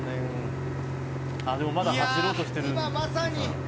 でもまだ走ろうとしているんだ。